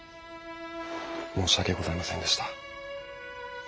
申し訳ございませんでした。